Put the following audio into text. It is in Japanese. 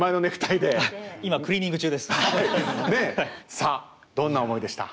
さあどんな思いでした？